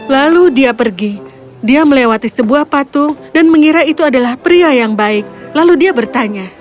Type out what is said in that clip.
lalu dia pergi dia melewati sebuah patung dan mengira itu adalah pria yang baik lalu dia bertanya